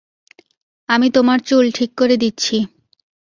আমি তোমার চুল ঠিক করে দিচ্ছি।